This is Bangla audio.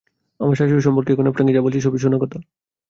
আমার শাশুড়ি সম্পর্কে এখন আপনাকে যা বলছি, সবই শোনা কথা!